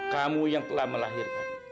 kamu yang telah melahirkan